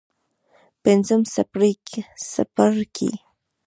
پنځم څپرکی.